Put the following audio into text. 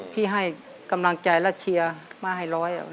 ให้กำลังใจและเชียร์มาให้ร้อย